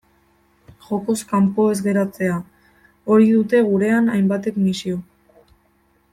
Jokoz kanpo ez geratzea, hori dute gurean hainbatek misio.